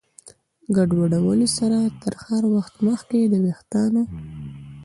ګډوډولو سره تر وخت مخکې د ویښتانو